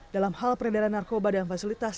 dalam hal peredaran narkoba dan fasilitas